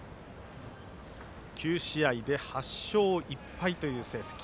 ９試合で８勝１敗という成績。